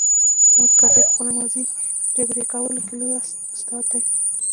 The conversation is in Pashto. حامد کرزي په خپله ماضي جبيره کولو کې لوی استاد دی.